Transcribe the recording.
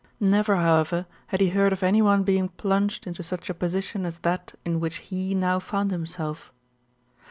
Never, however, had he heard of any one being plunged into such a position as that in which he now found himself.